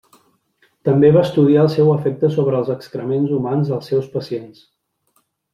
També va estudiar el seu efecte sobre els excrements humans dels seus pacients.